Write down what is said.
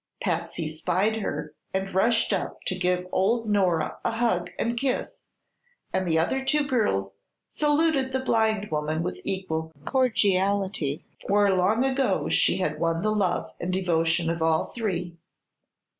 Patsy spied her and rushed up to give old Nora a hug and kiss, and the other two girls saluted the blind woman with equal cordiality, for long ago she had won the love and devotion of all three.